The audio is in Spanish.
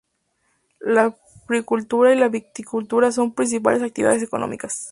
La fruticultura y la vitivinicultura son sus principales actividades económicas.